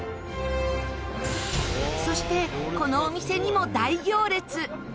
そしてこのお店にも大行列！